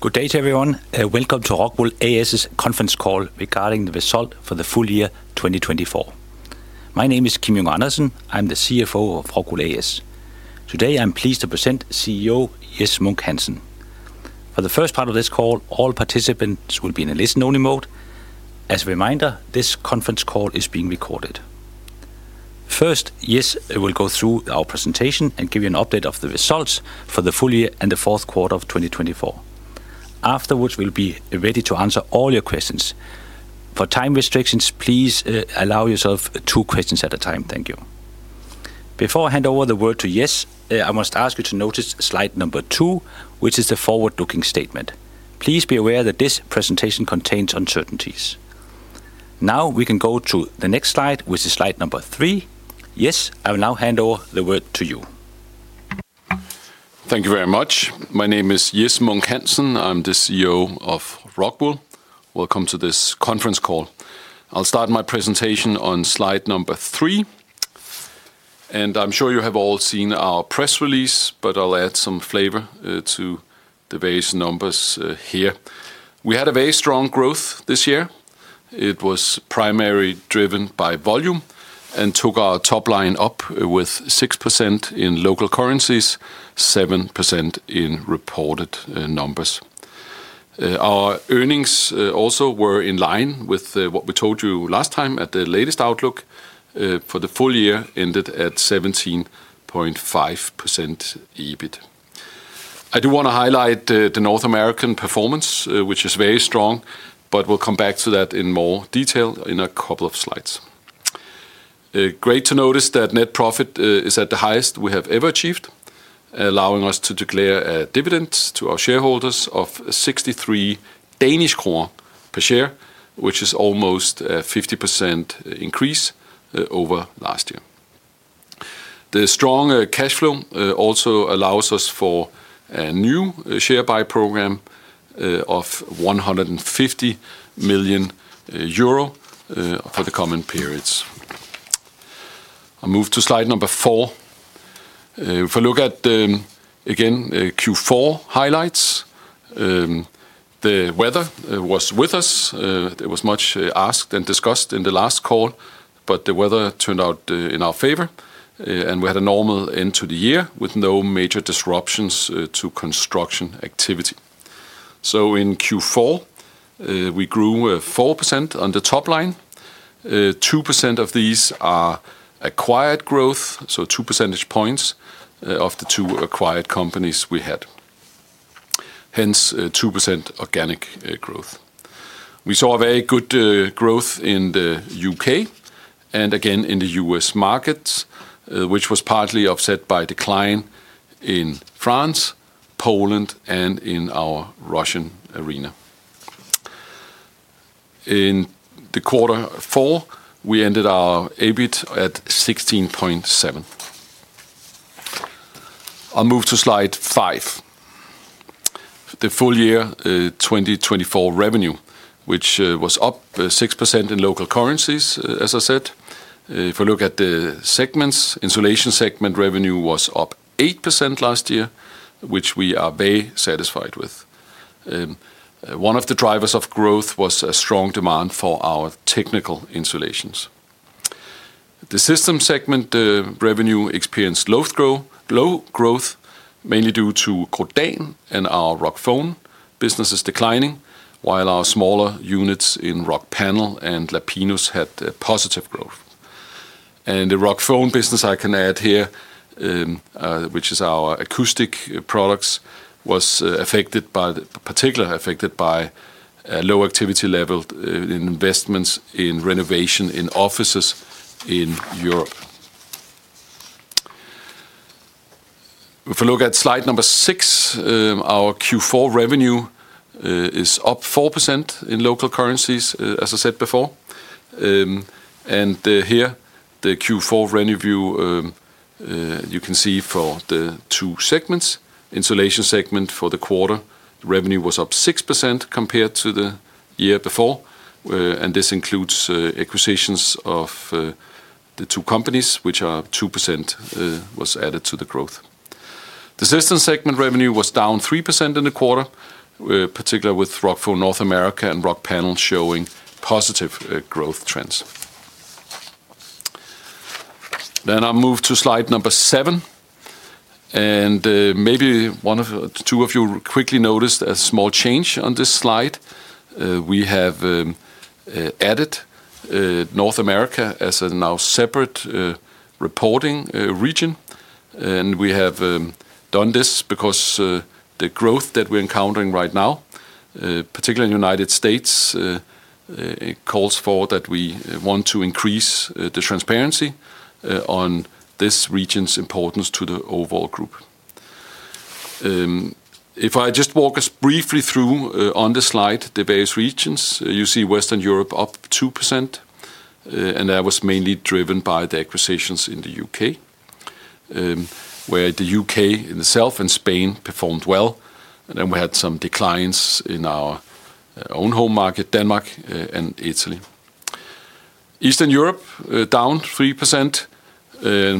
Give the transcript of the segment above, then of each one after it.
Good day, everyone, and welcome to Rockwool A/S's conference call regarding the result for the full year 2024. My name is Kim Junge Andersen. I'm the CFO of Rockwool A/S. Today, I'm pleased to present CEO Jes Munk Hansen. For the first part of this call, all participants will be in a listen-only mode. As a reminder, this conference call is being recorded. First, Jes will go through our presentation and give you an update of the results for the full year and the fourth quarter of 2024. Afterwards, we'll be ready to answer all your questions. For time restrictions, please allow yourself two questions at a time. Thank you. Before I hand over the word to Jes, I must ask you to notice slide number two, which is the forward-looking statement. Please be aware that this presentation contains uncertainties. Now, we can go to the next slide, which is slide number three. Jes, I will now hand over the word to you. Thank you very much. My name is Jes Munk Hansen. I'm the CEO of Rockwool. Welcome to this conference call. I'll start my presentation on slide number three, and I'm sure you have all seen our press release, but I'll add some flavor to the various numbers here. We had a very strong growth this year. It was primarily driven by volume and took our top line up with 6% in local currencies, 7% in reported numbers. Our earnings also were in line with what we told you last time at the latest outlook for the full year ended at 17.5% EBIT. I do want to highlight the North American performance, which is very strong, but we'll come back to that in more detail in a couple of slides. Great to notice that net profit is at the highest we have ever achieved, allowing us to declare a dividend to our shareholders of 63 Danish kroner per share, which is almost a 50% increase over last year. The strong cash flow also allows us for a new share buy program of 150 million euro for the coming periods. I'll move to slide number four. If I look at, again, Q4 highlights, the weather was with us. It was much asked and discussed in the last call, but the weather turned out in our favor, and we had a normal end to the year with no major disruptions to construction activity. So in Q4, we grew 4% on the top line. 2% of these are acquired growth, so 2 percentage points of the two acquired companies we had. Hence, 2% organic growth. We saw a very good growth in the U.K. and, again, in the U.S. markets, which was partly offset by decline in France, Poland, and in our Russian arena. In the quarter four, we ended our EBIT at 16.7. I'll move to slide five. The full year 2024 revenue, which was up 6% in local currencies, as I said. If we look at the segments, insulation segment revenue was up 8% last year, which we are very satisfied with. One of the drivers of growth was a strong demand for our technical insulations. The system segment revenue experienced slow growth, mainly due to Grodan and our Rockfon businesses declining, while our smaller units in Rockpanel and Lapinus had positive growth, and the Rockfon business, I can add here, which is our acoustic products, was affected by, particularly affected by low activity level investments in renovation in offices in Europe. If we look at slide number six, our Q4 revenue is up 4% in local currencies, as I said before. And here, the Q4 revenue view, you can see for the two segments. Insulation segment for the quarter revenue was up 6% compared to the year before. And this includes acquisitions of the two companies, which are 2% was added to the growth. The system segment revenue was down 3% in the quarter, particularly with Rockfon North America and Rockpanel showing positive growth trends. Then I'll move to slide number seven. And maybe one or two of you quickly noticed a small change on this slide. We have added North America as a now separate reporting region. We have done this because the growth that we're encountering right now, particularly in the United States, calls for that we want to increase the transparency on this region's importance to the overall group. If I just walk us briefly through on the slide the various regions, you see Western Europe up 2%. That was mainly driven by the acquisitions in the U.K., where the U.K. itself and Spain performed well. Then we had some declines in our own home market, Denmark and Italy. Eastern Europe down 3%.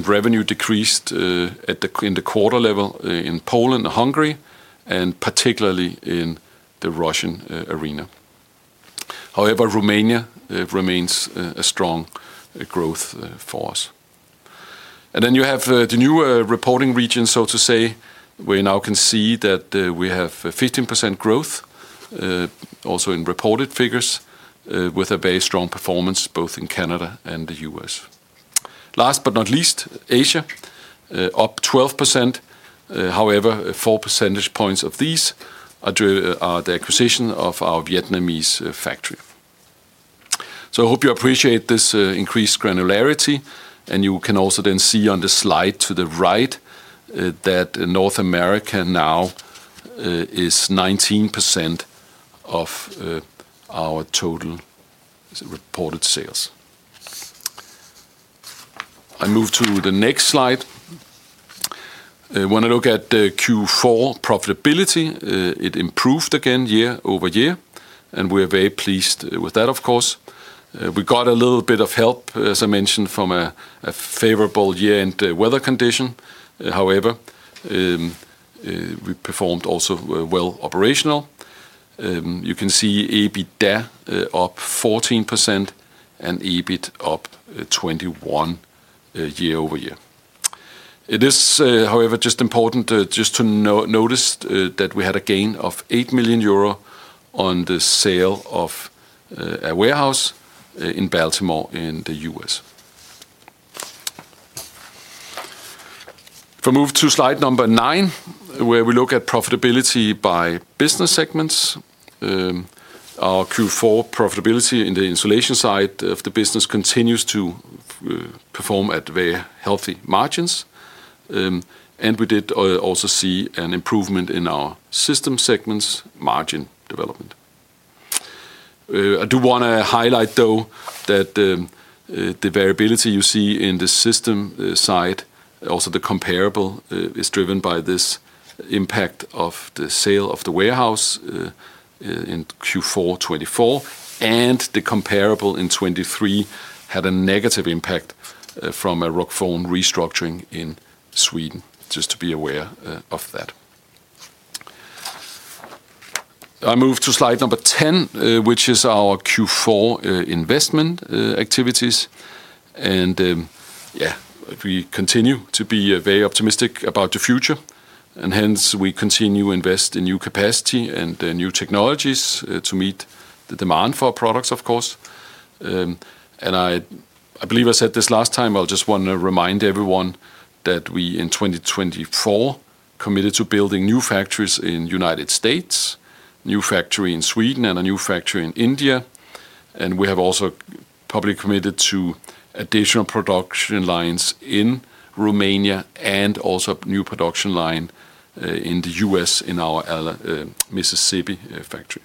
Revenue decreased in the quarter level in Poland and Hungary, and particularly in the Russian arena. However, Romania remains a strong growth force. Then you have the new reporting region, so to say, where you now can see that we have 15% growth, also in reported figures, with a very strong performance both in Canada and the U.S. Last but not least, Asia up 12%. However, 4 percentage points of these are the acquisition of our Vietnamese factory. So I hope you appreciate this increased granularity, and you can also then see on the slide to the right that North America now is 19% of our total reported sales. I move to the next slide. When I look at Q4 profitability, it improved again year over year, and we're very pleased with that, of course. We got a little bit of help, as I mentioned, from a favorable year-end weather condition. However, we performed also well operational. You can see EBITDA up 14% and EBIT up 21% year over year. It is, however, just important to notice that we had a gain of 8 million euro on the sale of a warehouse in Baltimore in the U.S. If I move to slide number nine, where we look at profitability by business segments, our Q4 profitability in the insulation side of the business continues to perform at very healthy margins. And we did also see an improvement in our systems segments margin development. I do want to highlight, though, that the variability you see in the systems side, also the comparable, is driven by this impact of the sale of the warehouse in Q4 2024. And the comparable in 2023 had a negative impact from a Rockfon restructuring in Sweden, just to be aware of that. I move to slide number 10, which is our Q4 investment activities. And yeah, we continue to be very optimistic about the future. And hence, we continue to invest in new capacity and new technologies to meet the demand for products, of course. I believe I said this last time. I just want to remind everyone that we in 2024 committed to building new factories in the United States, a new factory in Sweden, and a new factory in India. We have also publicly committed to additional production lines in Romania and also a new production line in the U.S. in our Mississippi factory.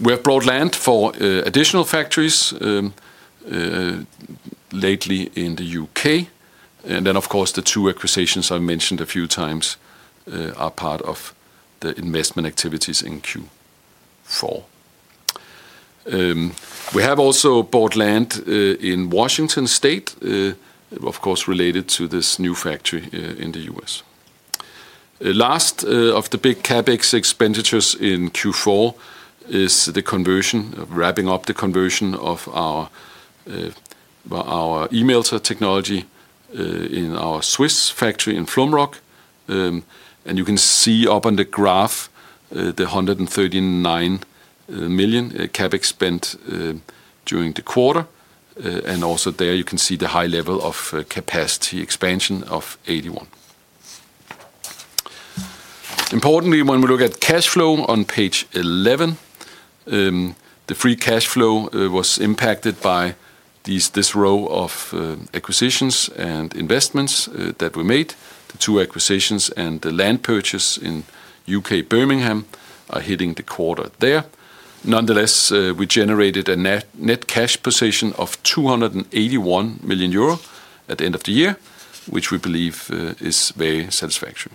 We have bought land for additional factories lately in the U.K. Then, of course, the two acquisitions I mentioned a few times are part of the investment activities in Q4. We have also bought land in Washington State, of course, related to this new factory in the U.S. Last of the big CapEx expenditures in Q4 is the conversion, wrapping up the conversion of our electric melting technology in our Swiss factory in Flums. You can see up on the graph the 139 million CapEx spent during the quarter. Also there, you can see the high level of capacity expansion of 81. Importantly, when we look at cash flow on page 11, the free cash flow was impacted by this round of acquisitions and investments that we made. The two acquisitions and the land purchase in Birmingham, U.K. are hitting the quarter there. Nonetheless, we generated a net cash position of 281 million euro at the end of the year, which we believe is very satisfactory.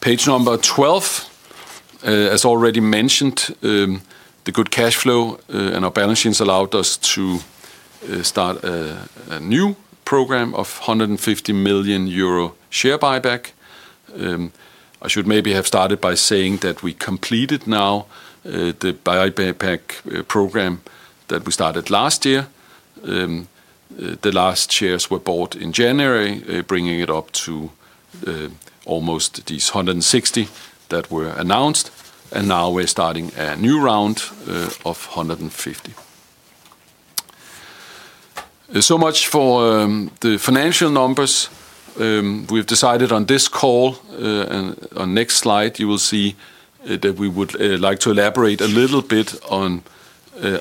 Page number 12, as already mentioned, the good cash flow and our balance sheets allowed us to start a new program of 150 million euro share buyback. I should maybe have started by saying that we completed now the buyback program that we started last year. The last shares were bought in January, bringing it up to almost these 160 that were announced. And now we're starting a new round of 150. So much for the financial numbers. We've decided on this call. On next slide, you will see that we would like to elaborate a little bit on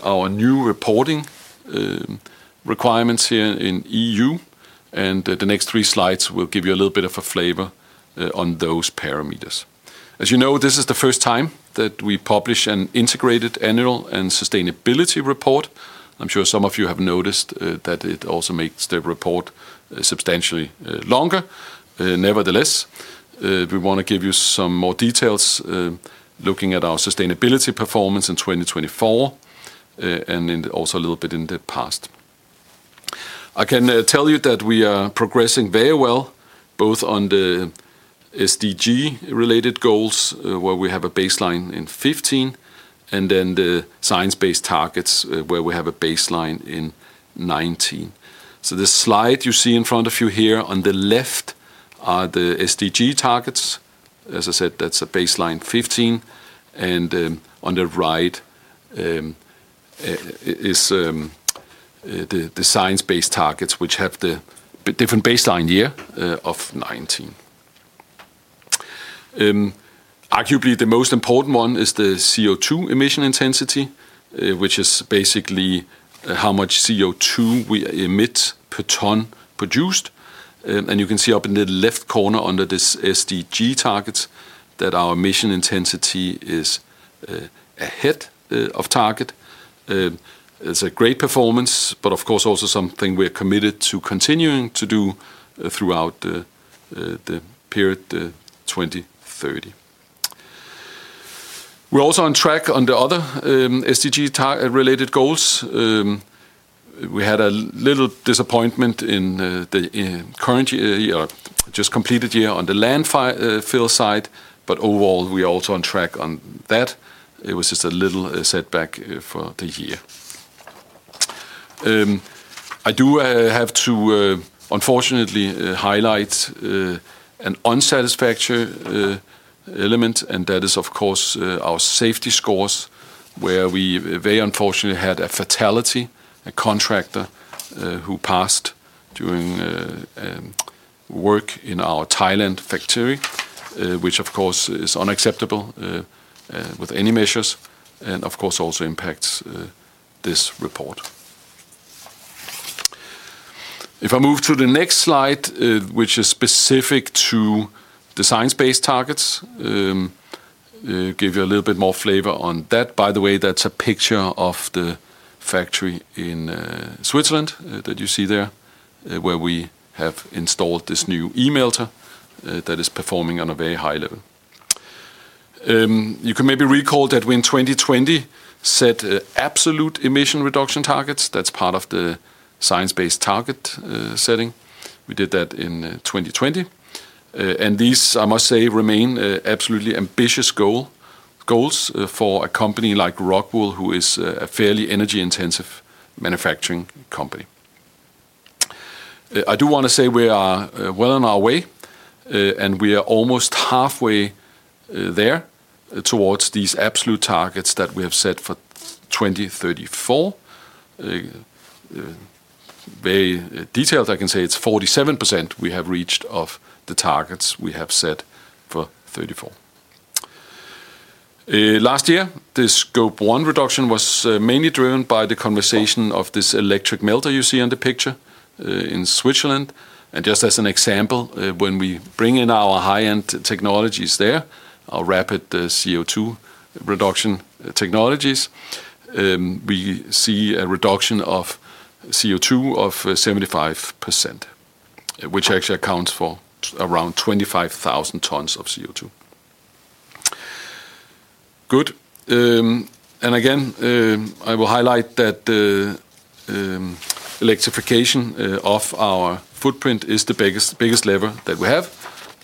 our new reporting requirements here in EU. And the next three slides will give you a little bit of a flavor on those parameters. As you know, this is the first time that we publish an integrated annual and sustainability report. I'm sure some of you have noticed that it also makes the report substantially longer. Nevertheless, we want to give you some more details looking at our sustainability performance in 2024 and also a little bit in the past. I can tell you that we are progressing very well both on the SDG-related goals, where we have a baseline in 2015, and then the science-based targets, where we have a baseline in 2019, so the slide you see in front of you here on the left are the SDG targets. As I said, that's a baseline 2015, and on the right is the science-based targets, which have the different baseline year of 2019. Arguably, the most important one is the CO2 emission intensity, which is basically how much CO2 we emit per ton produced. And you can see up in the left corner under this SDG target that our emission intensity is ahead of target. It's a great performance, but of course, also something we're committed to continuing to do throughout the period to 2030. We're also on track on the other SDG-related goals. We had a little disappointment in the current year, just completed year on the landfill side, but overall, we are also on track on that. It was just a little setback for the year. I do have to, unfortunately, highlight an unsatisfactory element, and that is, of course, our safety scores, where we very unfortunately had a fatality, a contractor who passed during work in our Thailand factory, which, of course, is unacceptable with any measures and, of course, also impacts this report. If I move to the next slide, which is specific to the science-based targets, give you a little bit more flavor on that. By the way, that's a picture of the factory in Switzerland that you see there, where we have installed this new electric melt that is performing on a very high level. You can maybe recall that we in 2020 set absolute emission reduction targets. That's part of the science-based target setting. We did that in 2020, and these, I must say, remain absolutely ambitious goals for a company like Rockwool, who is a fairly energy-intensive manufacturing company. I do want to say we are well on our way, and we are almost halfway there towards these absolute targets that we have set for 2034. Very detailed, I can say it's 47% we have reached of the targets we have set for 2034. Last year, this Scope 1 reduction was mainly driven by the conversion of this electric melter you see in the picture in Switzerland, and just as an example, when we bring in our high-end technologies there, our rapid CO2 reduction technologies, we see a reduction of CO2 of 75%, which actually accounts for around 25,000 tons of CO2. Good. And again, I will highlight that electrification of our footprint is the biggest lever that we have.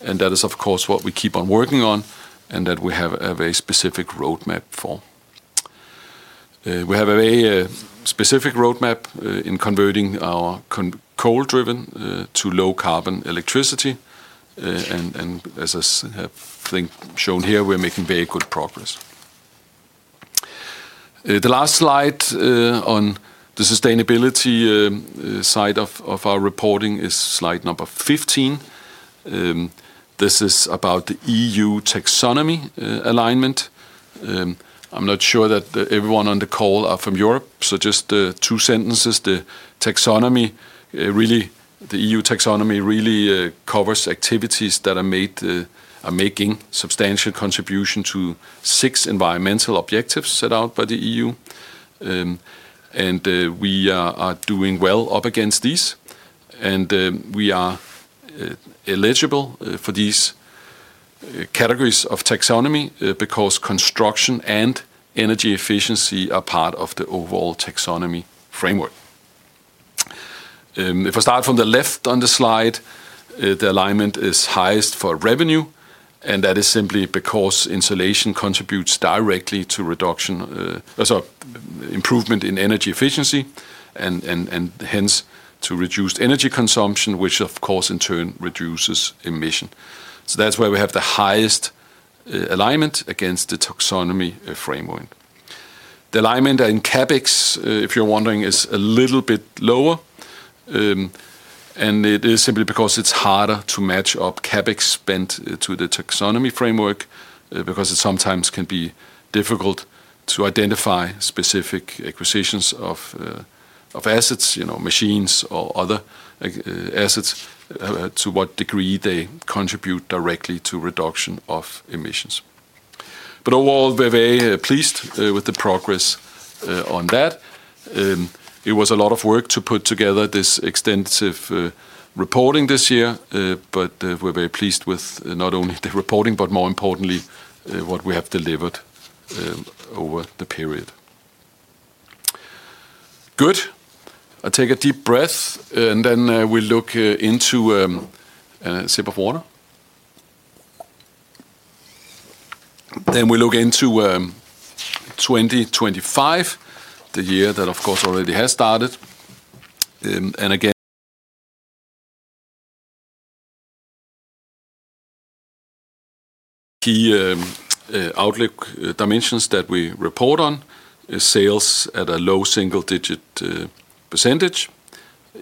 And that is, of course, what we keep on working on and that we have a very specific roadmap for. We have a very specific roadmap in converting our coal-driven to low-carbon electricity. And as I think shown here, we're making very good progress. The last slide on the sustainability side of our reporting is slide number 15. This is about the EU Taxonomy alignment. I'm not sure that everyone on the call are from Europe. So just two sentences. The Taxonomy really, the EU Taxonomy really covers activities that are making substantial contribution to six environmental objectives set out by the EU. And we are doing well up against these. And we are eligible for these categories of Taxonomy because construction and energy efficiency are part of the overall Taxonomy framework. If I start from the left on the slide, the alignment is highest for revenue. And that is simply because insulation contributes directly to reduction, sorry, improvement in energy efficiency and hence to reduced energy consumption, which of course in turn reduces emissions. So that's where we have the highest alignment against the Taxonomy framework. The alignment in CapEx, if you're wondering, is a little bit lower. And it is simply because it's harder to match up CapEx spent to the Taxonomy framework because it sometimes can be difficult to identify specific acquisitions of assets, machines, or other assets to what degree they contribute directly to reduction of emissions. But overall, we're very pleased with the progress on that. It was a lot of work to put together this extensive reporting this year. But we're very pleased with not only the reporting, but more importantly, what we have delivered over the period. Good. I take a deep breath and then take a sip of water. Then we look into 2025, the year that, of course, already has started. And again, key outlook dimensions that we report on are sales at a low single-digit %,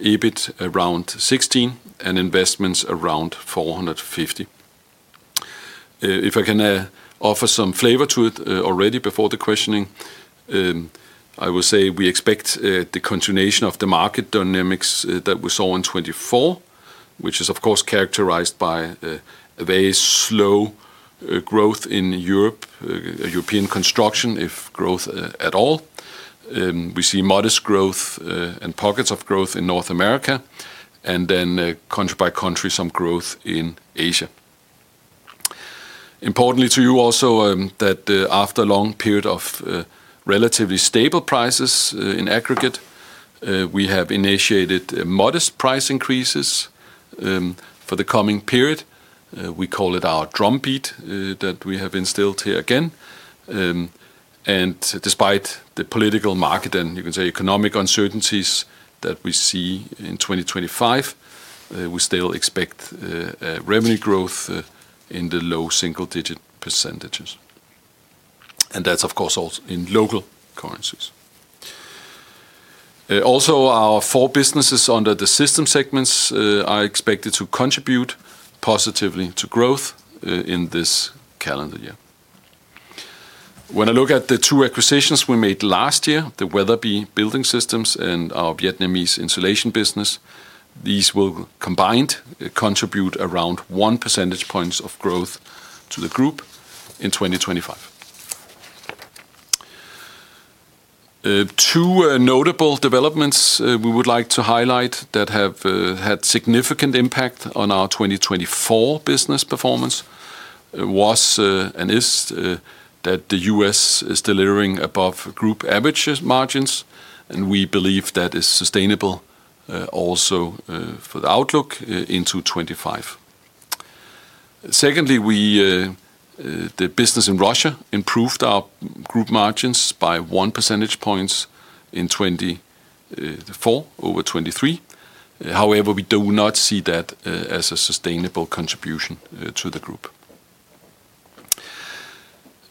EBIT around 16%, and investments around 450 million. If I can offer some flavor to it already before the questioning, I will say we expect the continuation of the market dynamics that we saw in 2024, which is, of course, characterized by a very slow growth in Europe, European construction, if growth at all. We see modest growth and pockets of growth in North America. And then country by country, some growth in Asia. Importantly to you also that after a long period of relatively stable prices in aggregate, we have initiated modest price increases for the coming period. We call it our drum beat that we have instilled here again. And despite the political market and you can say economic uncertainties that we see in 2025, we still expect revenue growth in the low single-digit %. And that's, of course, also in local currencies. Also, our four businesses under the system segments are expected to contribute positively to growth in this calendar year. When I look at the two acquisitions we made last year, the Wetherby Building Systems and our Vietnamese insulation business, these will combined contribute around one percentage point of growth to the group in 2025. Two notable developments we would like to highlight that have had significant impact on our 2024 business performance was and is that the U.S. is delivering above group average margins. And we believe that is sustainable also for the outlook into 2025. Secondly, the business in Russia improved our group margins by one percentage point in 2024 over 2023. However, we do not see that as a sustainable contribution to the group.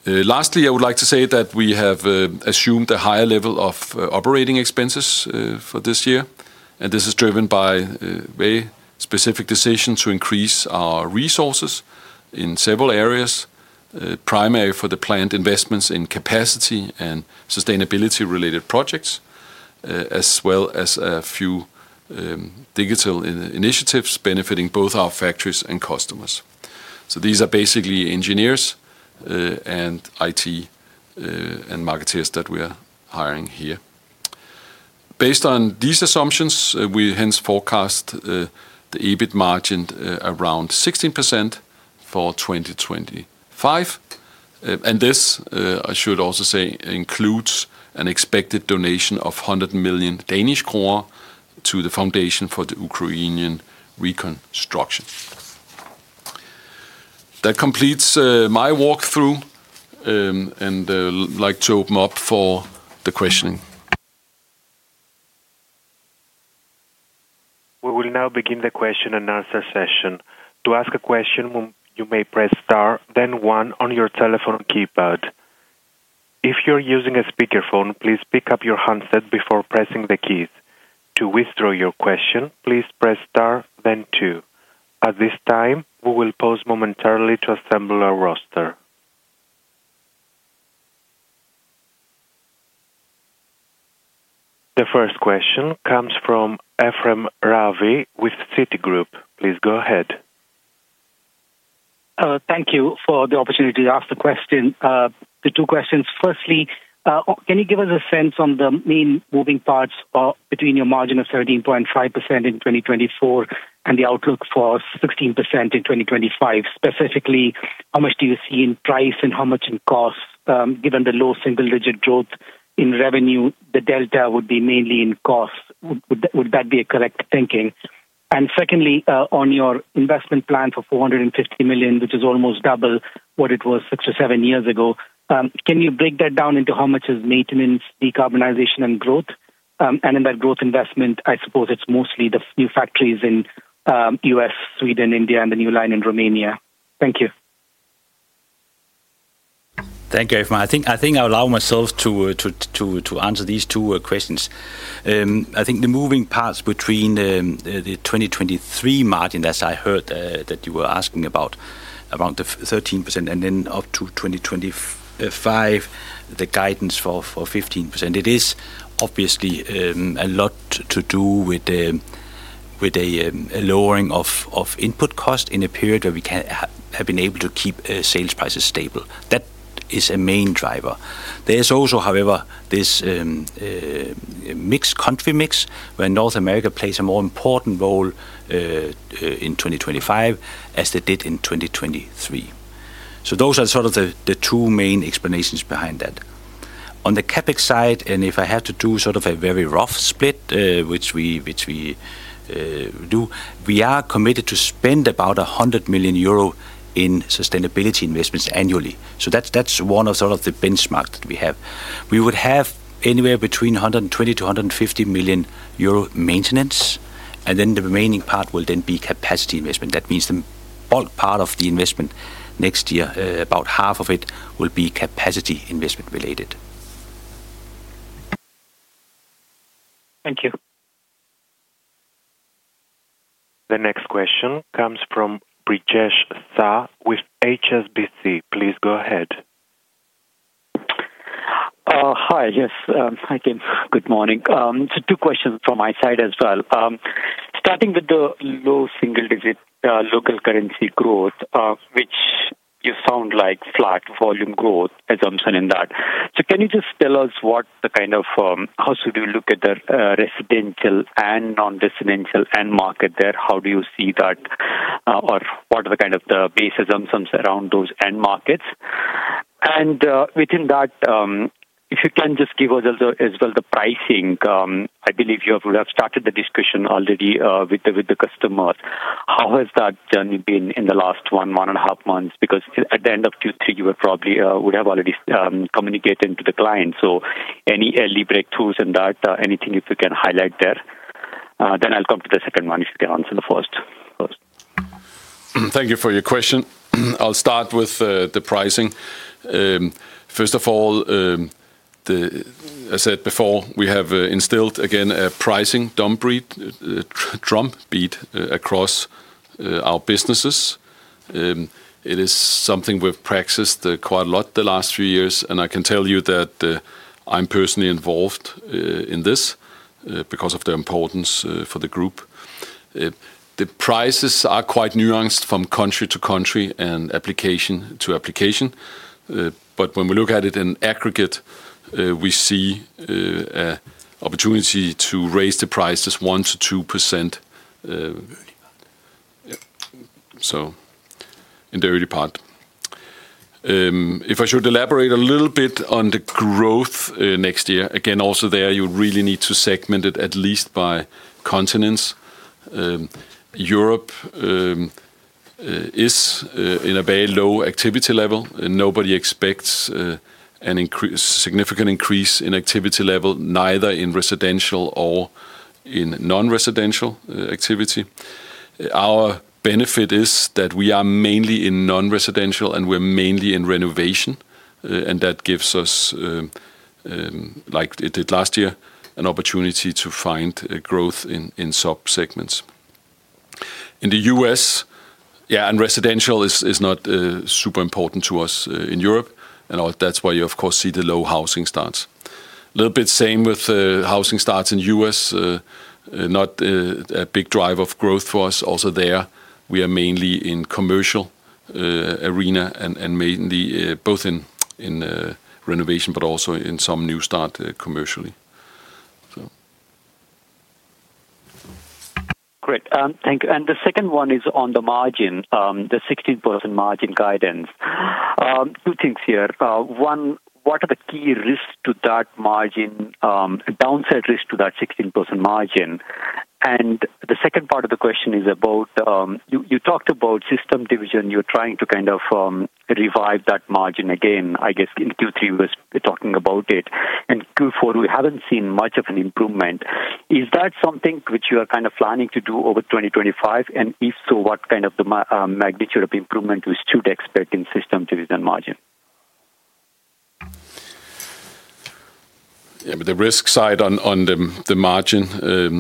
Lastly, I would like to say that we have assumed a higher level of operating expenses for this year. And this is driven by a very specific decision to increase our resources in several areas, primarily for the planned investments in capacity and sustainability-related projects, as well as a few digital initiatives benefiting both our factories and customers. So these are basically engineers and IT and marketeers that we are hiring here. Based on these assumptions, we hence forecast the EBIT margin around 16% for 2025. And this, Ishould also say, includes an expected donation of 100 million Danish kroner to the Foundation for the Ukrainian Reconstruction. That completes my walkthrough. And I'd like to open up for the questioning. We will now begin the question and answer session. To ask a question, you may press star, then one on your telephone keypad. If you're using a speakerphone, please pick up your handset before pressing the keys. To withdraw your question, please press star, then two. At this time, we will pause momentarily to assemble our roster. The first question comes from Ephrem Ravi with Citigroup. Please go ahead. Thank you for the opportunity to ask the question. The two questions. Firstly, can you give us a sense on the main moving parts between your margin of 17.5% in 2024 and the outlook for 16% in 2025? Specifically, how much do you see in price and how much in cost? Given the low single-digit growth in revenue, the delta would be mainly in cost. Would that be a correct thinking? And secondly, on your investment plan for 450 million, which is almost double what it was six or seven years ago, can you break that down into how much is maintenance, decarbonization, and growth? And in that growth investment, I suppose it's mostly the new factories in the U.S., Sweden, India, and the new line in Romania. Thank you. Thank you, Ephrem. I think I'll allow myself to answer these two questions. I think the moving parts between the 2023 margin, as I heard that you were asking about, around the 13%, and then up to 2025, the guidance for 15%. It is obviously a lot to do with a lowering of input cost in a period where we have been able to keep sales prices stable. That is a main driver. There is also, however, this mixed country mix where North America plays a more important role in 2025 as they did in 2023. So those are sort of the two main explanations behind that. On the CapEx side, and if I have to do sort of a very rough split, which we do, we are committed to spend about 100 million euro in sustainability investments annually. So that's one of sort of the benchmarks that we have. We would have anywhere between 120 million euro - 150 million euro maintenance. And then the remaining part will then be capacity investment. That means the bulk part of the investment next year, about half of it will be capacity investment related. Thank you. The next question comes from Brijesh Sah with HSBC. Please go ahead. Hi, yes. Hi, Kim. Good morning. So two questions from my side as well. Starting with the low single-digit local currency growth, which you sound like flat volume growth assumption in that. So can you just tell us what the kind of how should you look at the residential and non-residential end market there? How do you see that? Or what are the kind of the base assumptions around those end markets? And within that, if you can just give us as well the pricing. I believe you have started the discussion already with the customers. How has that journey been in the last one, one and a half months? Because at the end of Q3, you would have already communicated to the client. So any early breakthroughs in that? Anything you can highlight there? Then I'll come to the second one if you can answer the first. Thank you for your question. I'll start with the pricing. First of all, as I said before, we have instilled again a pricing drum beat across our businesses. It is something we've practiced quite a lot the last few years. And I can tell you that I'm personally involved in this because of the importance for the group. The prices are quite nuanced from country to country and application to application. But when we look at it in aggregate, we see an opportunity to raise the prices 1%-2%, so in the early part. If I should elaborate a little bit on the growth next year, again, also there, you really need to segment it at least by continents. Europe is in a very low activity level. Nobody expects a significant increase in activity level, neither in residential or in non-residential activity. Our benefit is that we are mainly in non-residential and we're mainly in renovation, and that gives us, like it did last year, an opportunity to find growth in subsegments. In the U.S., yeah, and residential is not super important to us in Europe, and that's why you, of course, see the low housing starts. A little bit same with housing starts in the U.S., not a big driver of growth for us. Also there, we are mainly in commercial arena and mainly both in renovation, but also in some new start commercially. Great. Thank you. And the second one is on the margin, the 16% margin guidance. Two things here. One, what are the key risks to that margin, downside risk to that 16% margin? And the second part of the question is about you talked about system division. You're trying to kind of revive that margin again, I guess, in Q3 was talking about it. And Q4, we haven't seen much of an improvement. Is that something which you are kind of planning to do over 2025? And if so, what kind of the magnitude of improvement we should expect in system division margin? Yeah, the risk side on the margin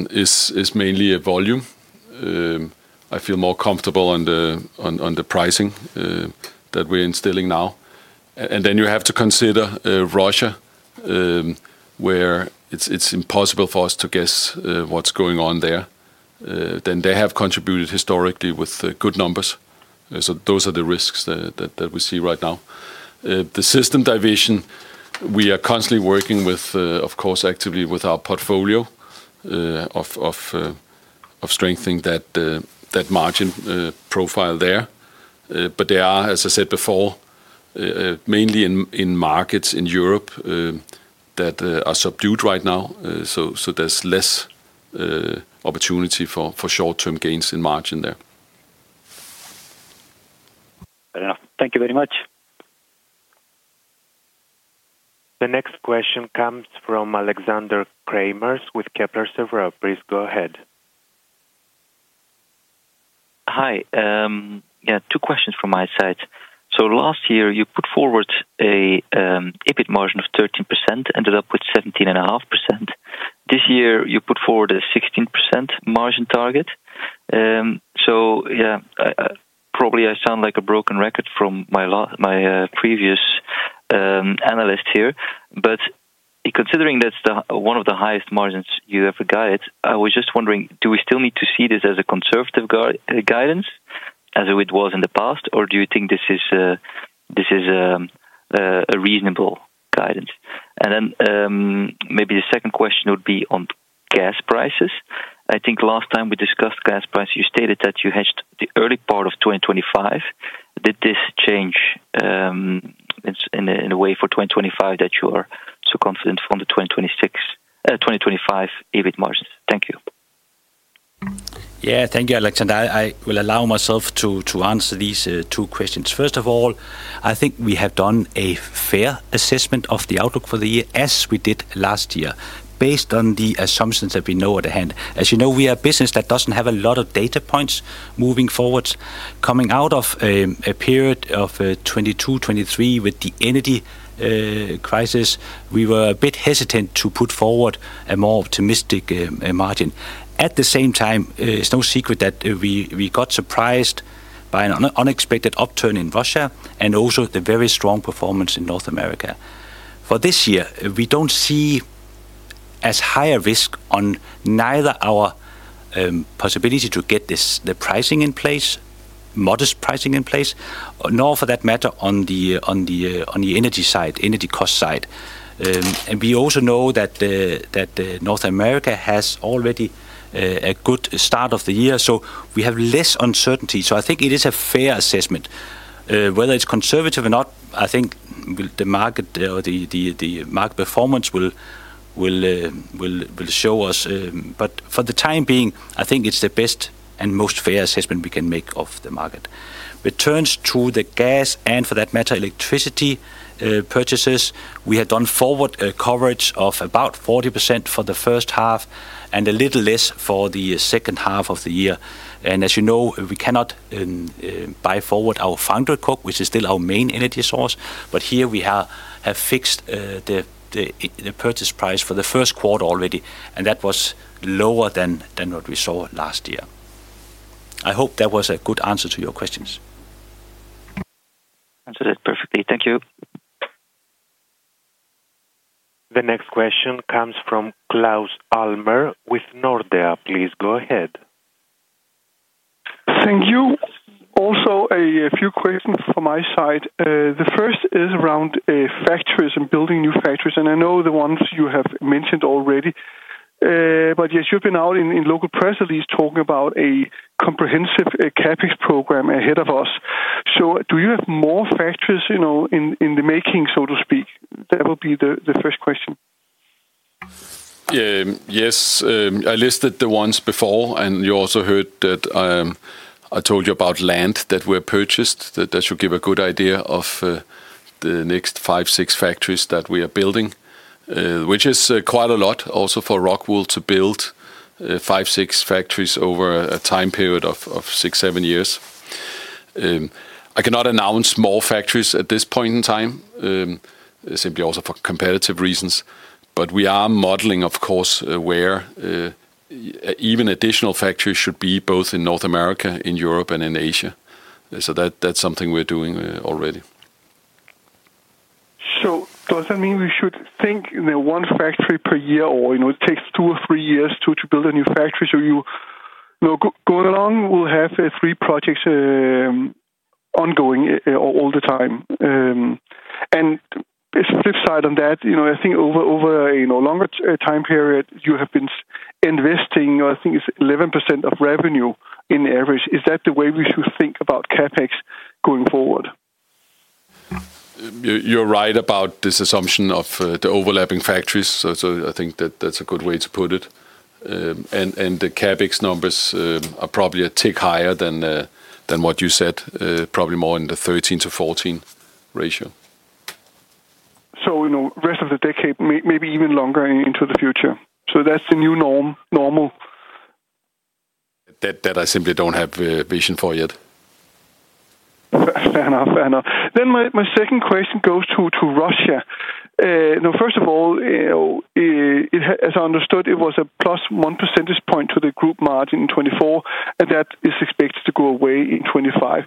is mainly a volume. I feel more comfortable on the pricing that we're instilling now, and then you have to consider Russia, where it's impossible for us to guess what's going on there, then they have contributed historically with good numbers. So those are the risks that we see right now. The system division, we are constantly working with, of course, actively with our portfolio of strengthening that margin profile there, but there are, as I said before, mainly in markets in Europe that are subdued right now, so there's less opportunity for short-term gains in margin there. Thank you very much. The next question comes from Alexander Craeymeersch with Kepler Cheuvreux. Please go ahead. Hi. Yeah, two questions from my side. So last year, you put forward an EBIT margin of 13%, ended up with 17.5%. This year, you put forward a 16% margin target. So yeah, probably I sound like a broken record from my previous analyst here. But considering that's one of the highest margins you ever guided, I was just wondering, do we still need to see this as a conservative guidance as it was in the past? Or do you think this is a reasonable guidance? And then maybe the second question would be on gas prices. I think last time we discussed gas prices, you stated that you hedged the early part of 2025. Did this change in a way for 2025 that you are so confident from the 2026, 2025 EBIT margins? Thank you. Yeah, thank you, Alexander. I will allow myself to answer these two questions. First of all, I think we have done a fair assessment of the outlook for the year as we did last year, based on the assumptions that we know at hand. As you know, we are a business that doesn't have a lot of data points moving forward. Coming out of a period of 2022, 2023 with the energy crisis, we were a bit hesitant to put forward a more optimistic margin. At the same time, it's no secret that we got surprised by an unexpected upturn in Russia and also the very strong performance in North America. For this year, we don't see as high a risk on neither our possibility to get the pricing in place, modest pricing in place, nor for that matter on the energy side, energy cost side. And we also know that North America has already a good start of the year. So we have less uncertainty. So I think it is a fair assessment. Whether it's conservative or not, I think the market or the market performance will show us. But for the time being, I think it's the best and most fair assessment we can make of the market. Returning to the gas and for that matter, electricity purchases, we have done forward coverage of about 40% for the first half and a little less for the second half of the year. And as you know, we cannot buy forward our foundry coke, which is still our main energy source. But here we have fixed the purchase price for the first quarter already. And that was lower than what we saw last year. I hope that was a good answer to your questions. Answered it perfectly. Thank you. The next question comes from Claus Almer with Nordea. Please go ahead. Thank you. Also, a few questions from my side. The first is around factories and building new factories. And I know the ones you have mentioned already. But yes, you've been out in local press at least talking about a comprehensive CapEx program ahead of us. So do you have more factories in the making, so to speak? That would be the first question. Yes. I listed the ones before. And you also heard that I told you about land that we have purchased. That should give a good idea of the next five, six factories that we are building, which is quite a lot also for Rockwool to build five, six factories over a time period of six, seven years. I cannot announce more factories at this point in time, simply also for competitive reasons. But we are modeling, of course, where even additional factories should be, both in North America, in Europe, and in Asia. So that's something we're doing already. So does that mean we should think one factory per year or it takes two or three years to build a new factory? So going along, we'll have three projects ongoing all the time. And a flip side on that, I think over a longer time period, you have been investing, I think it's 11% of revenue in the average. Is that the way we should think about CapEx going forward? You're right about this assumption of the overlapping factories. So I think that's a good way to put it. And the CapEx numbers are probably a tick higher than what you said, probably more in the 13 to 14 ratio. So, rest of the decade, maybe even longer into the future. So, that's the new normal. That I simply don't have vision for yet. Fair enough. Fair enough. Then my second question goes to Russia. First of all, as I understood, it was a plus one percentage point to the group margin in 2024. And that is expected to go away in 2025.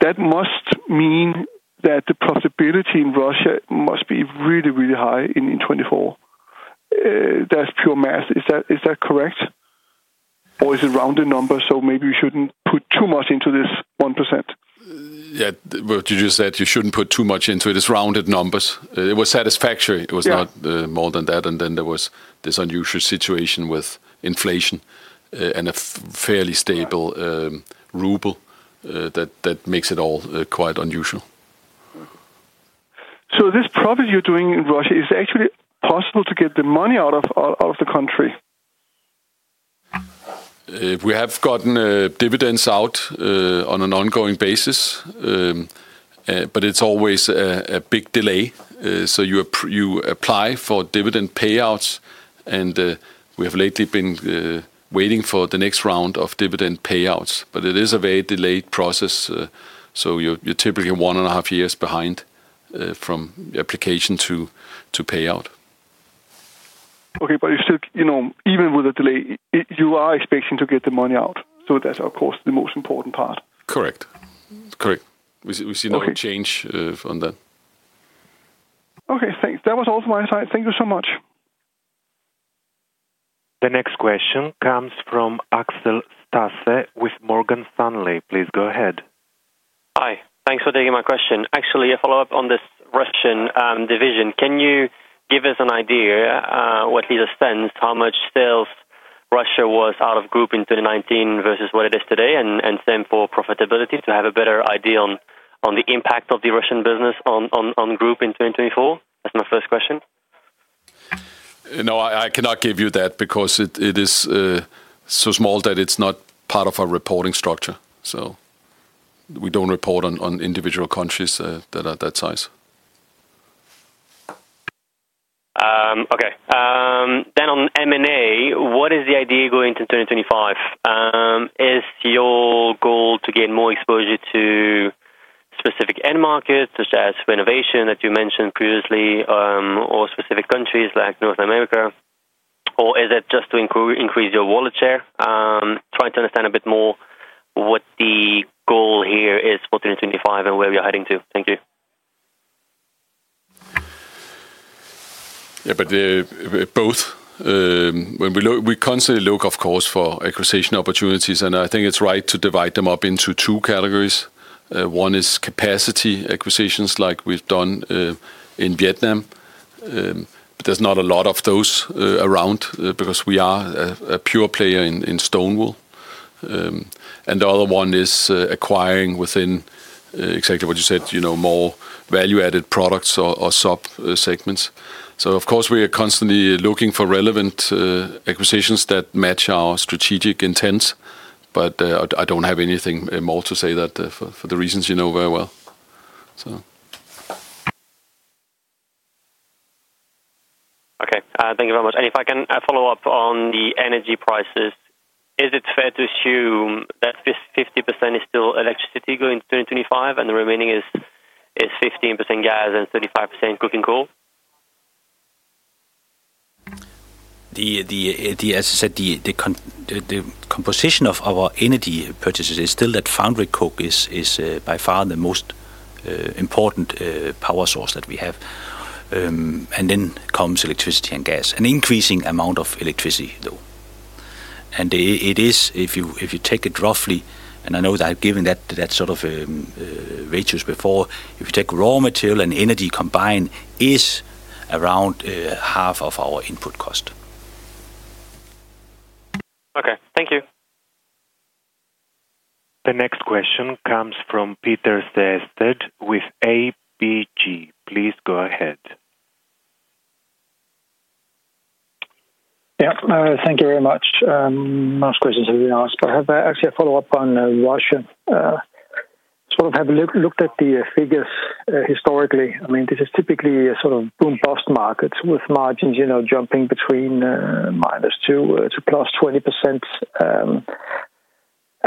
That must mean that the profitability in Russia must be really, really high in 2024. That's pure math. Is that correct? Or is it rounded numbers? So maybe we shouldn't put too much into this 1%. Yeah. What you just said, you shouldn't put too much into it. It's rounded numbers. It was satisfactory. It was not more than that. And then there was this unusual situation with inflation and a fairly stable ruble that makes it all quite unusual. So this profit you're doing in Russia, is it actually possible to get the money out of the country? We have gotten dividends out on an ongoing basis, but it's always a big delay. So you apply for dividend payouts, and we have lately been waiting for the next round of dividend payouts. But it is a very delayed process, so you're typically one and a half years behind from application to payout. Okay. But you said even with a delay, you are expecting to get the money out. So that's, of course, the most important part. Correct. Correct. We see no change from that. Okay. Thanks. That was all from my side. Thank you so much. The next question comes from Axel Stasse with Morgan Stanley. Please go ahead. Hi. Thanks for taking my question. Actually, a follow-up on this Russian division. Can you give us an idea what percentage, how much sales Russia was out of group in 2019 versus what it is today? And same for profitability to have a better idea on the impact of the Russian business on group in 2024? That's my first question. No, I cannot give you that because it is so small that it's not part of our reporting structure. So we don't report on individual countries that are that size. Okay. Then on M&A, what is the idea going into 2025? Is your goal to gain more exposure to specific end markets, such as renovation that you mentioned previously, or specific countries like North America? Or is it just to increase your wallet share? Trying to understand a bit more what the goal here is for 2025 and where we are heading to. Thank you. Yeah, but both. We constantly look, of course, for acquisition opportunities. And I think it's right to divide them up into two categories. One is capacity acquisitions, like we've done in Vietnam. There's not a lot of those around because we are a pure player in stone wool. And the other one is acquiring within exactly what you said, more value-added products or sub-segments. So of course, we are constantly looking for relevant acquisitions that match our strategic intents. But I don't have anything more to say that for the reasons you know very well. Okay. Thank you very much. And if I can follow up on the energy prices, is it fair to assume that 50% is still electricity going into 2025 and the remaining is 15% gas and 35% coking coal? As I said, the composition of our energy purchases is still that foundry coke is by far the most important power source that we have. And then comes electricity and gas. An increasing amount of electricity, though. And it is, if you take it roughly, and I know that I've given that sort of ratios before, if you take raw material and energy combined, it is around half of our input cost. Okay. Thank you. The next question comes from Peter Sehested with ABG. Please go ahead. Yeah. Thank you very much. Last question has been asked. I have actually a follow-up on Russia. So I've looked at the figures historically. I mean, this is typically a sort of boom-bust market with margins jumping between -2% to +20%.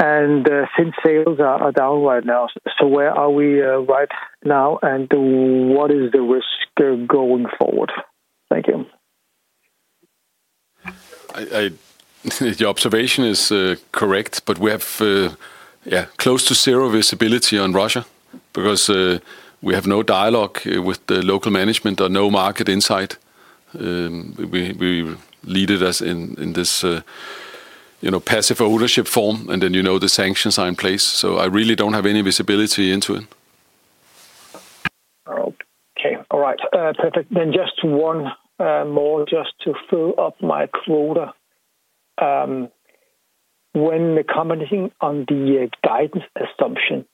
And since sales are down right now, so where are we right now? And what is the risk going forward? Thank you. Your observation is correct, but we have, yeah, close to zero visibility on Russia because we have no dialogue with the local management or no market insight. We lead it in this passive ownership form, and then you know the sanctions are in place, so I really don't have any visibility into it. Okay. All right. Perfect. Then just one more just to fill up my quota. When commenting on the guidance assumption,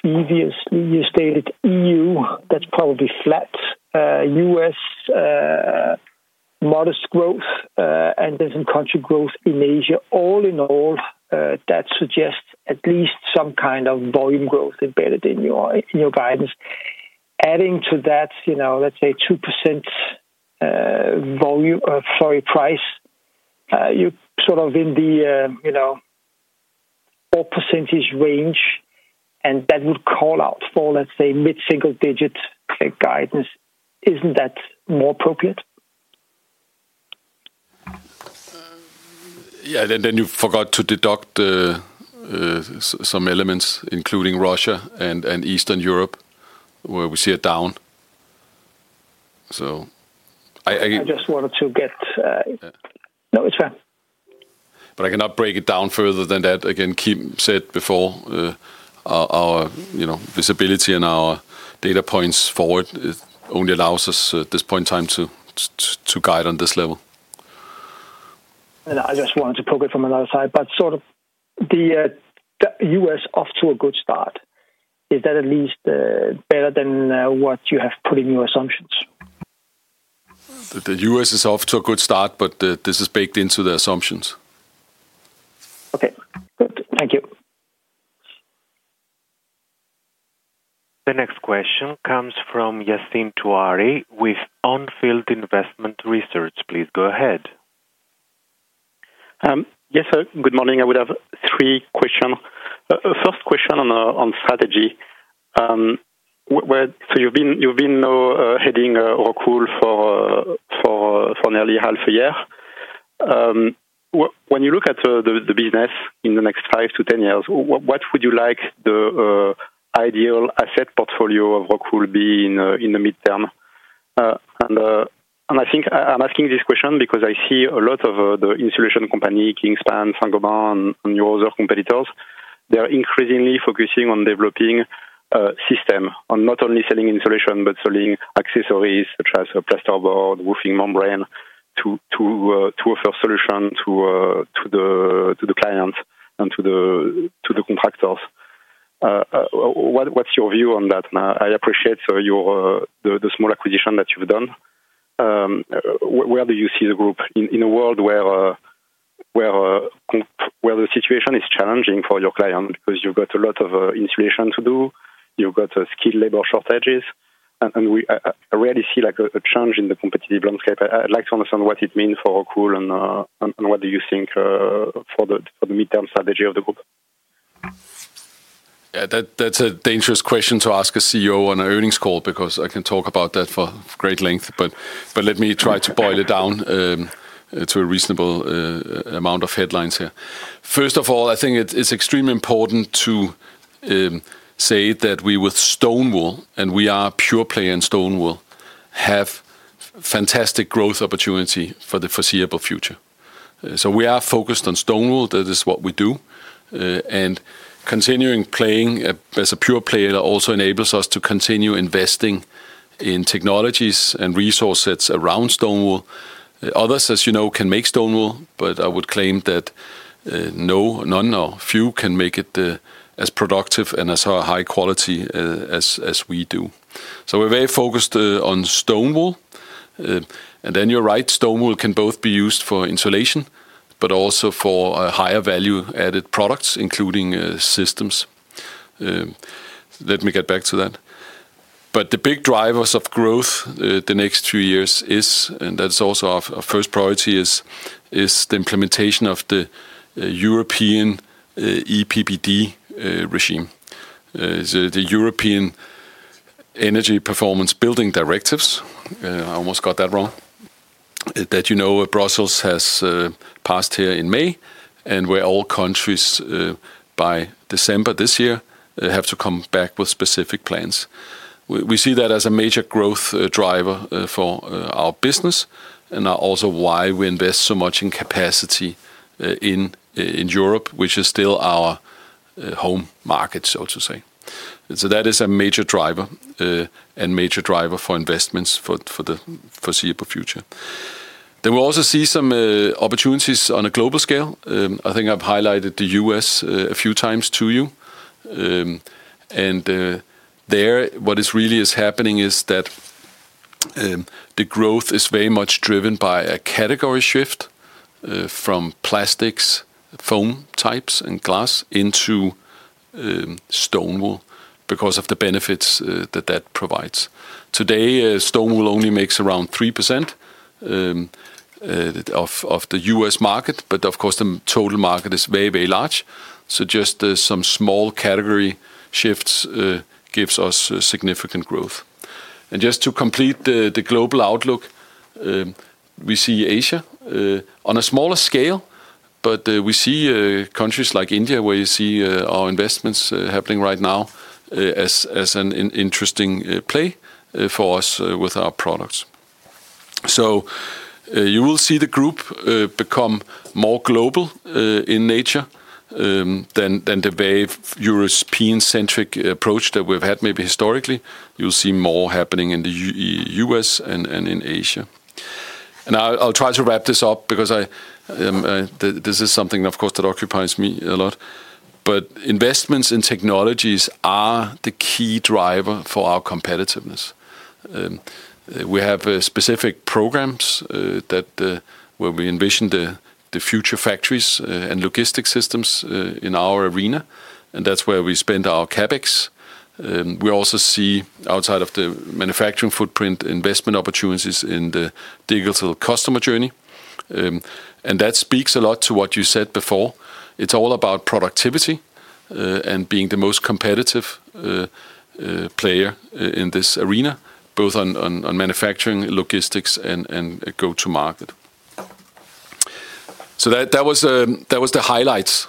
previously you stated EU, that's probably flat, U.S. modest growth, and then some country growth in Asia. All in all, that suggests at least some kind of volume growth embedded in your guidance. Adding to that, let's say 2% volume, sorry, price, you're sort of in the all percentage range, and that would call out for, let's say, mid-single-digit guidance. Isn't that more appropriate? Yeah. Then you forgot to deduct some elements, including Russia and Eastern Europe, where we see a down. So. I just wanted to get. No, it's fine. But I cannot break it down further than that. Again, Kim said before, our visibility and our data points forward only allows us at this point in time to guide on this level. I just wanted to poke it from another side. Sort of the U.S. off to a good start. Is that at least better than what you have put in your assumptions? The U.S. is off to a good start, but this is baked into the assumptions. Okay. Good. Thank you. The next question comes from Yassine Touahri with On Field Investment Research. Please go ahead. Yes. Good morning. I would have three questions. First question on strategy. So you've been heading Rockwool for nearly half a year. When you look at the business in the next five to 10 years, what would you like the ideal asset portfolio of Rockwool be in the midterm? And I think I'm asking this question because I see a lot of the insulation company, Kingspan, Saint-Gobain, and your other competitors, they're increasingly focusing on developing systems, on not only selling insulation, but selling accessories such as plasterboard, roofing membrane to offer solutions to the clients and to the contractors. What's your view on that? And I appreciate the small acquisition that you've done. Where do you see the group in a world where the situation is challenging for your client because you've got a lot of insulation to do, you've got skilled labor shortages, and we really see a change in the competitive landscape? I'd like to understand what it means for Rockwool and what do you think for the midterm strategy of the group? Yeah. That's a dangerous question to ask a CEO on an earnings call because I can talk about that for great length. But let me try to boil it down to a reasonable amount of headlines here. First of all, I think it's extremely important to say that we with stone wool, and we are a pure player in stone wool, have fantastic growth opportunity for the foreseeable future. So we are focused on stone wool. That is what we do. And continuing playing as a pure player also enables us to continue investing in technologies and resource sets around stone wool. Others, as you know, can make stone wool, but I would claim that none or few can make it as productive and as high quality as we do. So we're very focused on stone wool. And then you're right, stone wool can both be used for insulation, but also for higher value-added products, including systems. Let me get back to that. But the big drivers of growth the next few years is, and that's also our first priority, is the implementation of the European EPBD regime, the European Energy Performance Building Directives. I almost got that wrong. That Brussels has passed here in May. And where all countries by December this year have to come back with specific plans. We see that as a major growth driver for our business and also why we invest so much in capacity in Europe, which is still our home market, so to say. So that is a major driver and major driver for investments for the foreseeable future. Then we also see some opportunities on a global scale. I think I've highlighted the U.S. a few times to you. And there, what is really happening is that the growth is very much driven by a category shift from plastics, foam types, and glass into stone wool because of the benefits that that provides. Today, stone wool only makes around 3% of the U.S. market. But of course, the total market is very, very large. So just some small category shifts gives us significant growth. And just to complete the global outlook, we see Asia on a smaller scale, but we see countries like India where you see our investments happening right now as an interesting play for us with our products. So you will see the group become more global in nature than the very European-centric approach that we've had maybe historically. You'll see more happening in the U.S. and in Asia. And I'll try to wrap this up because this is something, of course, that occupies me a lot. But investments in technologies are the key driver for our competitiveness. We have specific programs where we envision the future factories and logistics systems in our arena. And that's where we spend our CapEx. We also see, outside of the manufacturing footprint, investment opportunities in the digital customer journey. And that speaks a lot to what you said before. It's all about productivity and being the most competitive player in this arena, both on manufacturing, logistics, and go-to-market. So that was the highlights.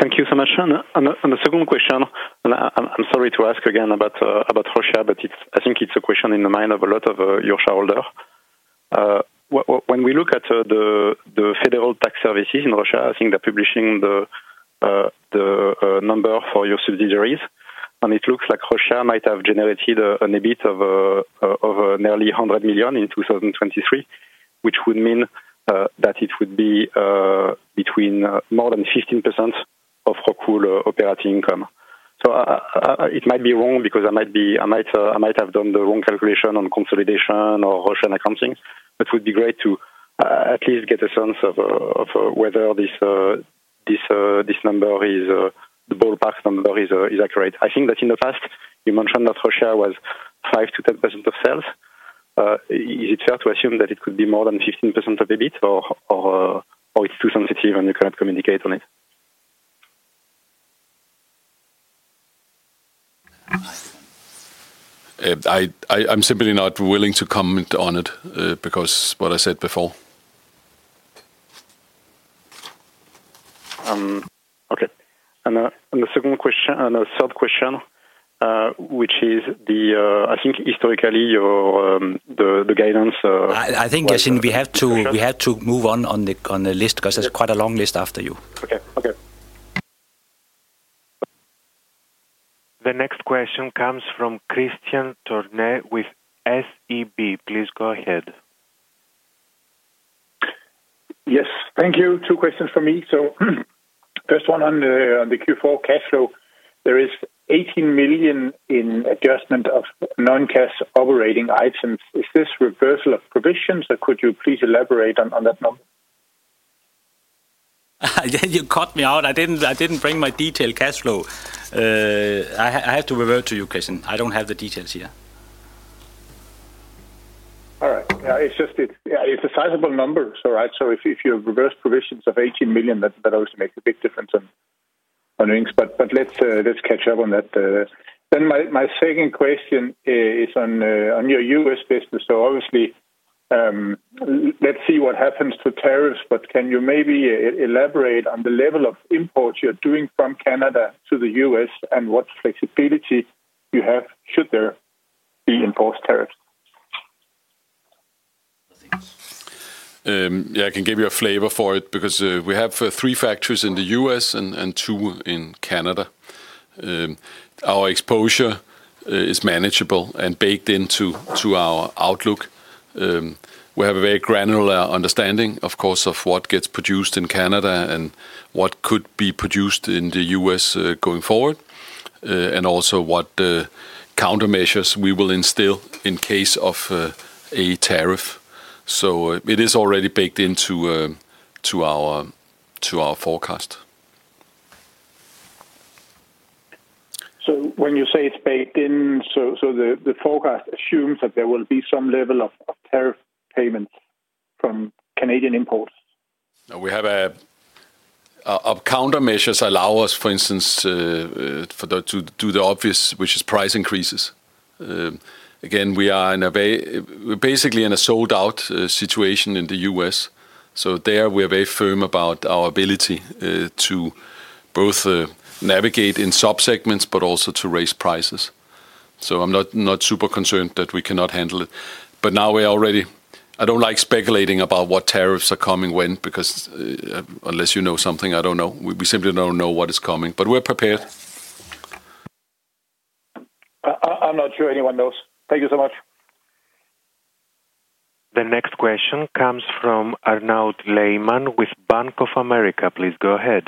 Thank you so much, and the second question, I'm sorry to ask again about Russia, but I think it's a question in the mind of a lot of your shareholders. When we look at the federal tax services in Russia, I think they're publishing the number for your subsidiaries, and it looks like Russia might have generated a bit of nearly 100 million in 2023, which would mean that it would be between more than 15% of Rockwool operating income, so it might be wrong because I might have done the wrong calculation on consolidation or Russian accounting, but it would be great to at least get a sense of whether this number, the ballpark number, is accurate. I think that in the past, you mentioned that Russia was 5%-10% of sales. Is it fair to assume that it could be more than 15% or a bit, or it's too sensitive and you cannot communicate on it? I'm simply not willing to comment on it because of what I said before. Okay, and the third question, which is, I think historically, the guidance. I think, Yassine, we have to move on the list because there's quite a long list after you. Okay. Okay. The next question comes from Kristian Tornøe with SEB. Please go ahead. Yes. Thank you. Two questions for me. So first one on the Q4 cash flow, there is 18 million in adjustment of non-cash operating items. Is this reversal of provisions? Or could you please elaborate on that number? You cut me out. I didn't bring my detailed cash flow. I have to revert to you, Kristian. I don't have the details here. All right. Yeah. It's just it's a sizable number. So if you reverse provisions of 18 million, that obviously makes a big difference on earnings. But let's catch up on that. Then my second question is on your U.S. business. So obviously, let's see what happens to tariffs. But can you maybe elaborate on the level of imports you're doing from Canada to the U.S. and what flexibility you have should there be imposed tariffs? Yeah. I can give you a flavor for it because we have three factories in the U.S. and two in Canada. Our exposure is manageable and baked into our outlook. We have a very granular understanding, of course, of what gets produced in Canada and what could be produced in the U.S. going forward, and also what countermeasures we will instill in case of a tariff. So it is already baked into our forecast. When you say it's baked in, the forecast assumes that there will be some level of tariff payments from Canadian imports? We have our countermeasures allow us, for instance, to do the obvious, which is price increases. Again, we are basically in a sold-out situation in the U.S. So there, we are very firm about our ability to both navigate in subsegments, but also to raise prices. So I'm not super concerned that we cannot handle it. But now we're already. I don't like speculating about what tariffs are coming when because unless you know something, I don't know. We simply don't know what is coming. But we're prepared. I'm not sure anyone knows. Thank you so much. The next question comes from Arnaud Lehmann with Bank of America. Please go ahead.